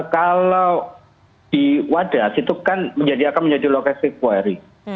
kalau di wadas itu kan akan menjadi logistik kuari